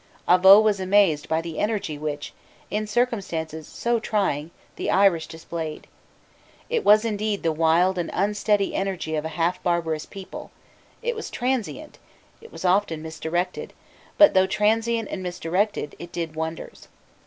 Avaux was amazed by the energy which, in circumstances so trying, the Irish displayed. It was indeed the wild and unsteady energy of a half barbarous people: it was transient: it was often misdirected: but, though transient and misdirected, it did wonders.